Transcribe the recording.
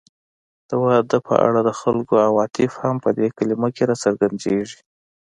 د واده په اړه د خلکو عواطف هم په دې کلمه کې راڅرګندېږي